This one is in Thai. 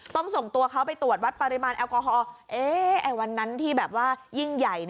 ส่งตัวเขาไปตรวจวัดปริมาณแอลกอฮอล์วันนั้นที่แบบว่ายิ่งใหญ่